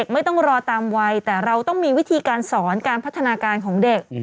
ไม่ต้องรอตามวัยแต่เราต้องมีวิธีการสอนการพัฒนาการของเด็ก